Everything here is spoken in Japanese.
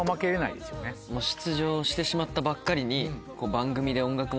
出場してしまったばっかりに。